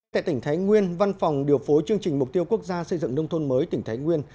tại tỉnh thái nguyên văn phòng điều phối chương trình mục tiêu quốc gia xây dựng nông thôn mới tỉnh thái nguyên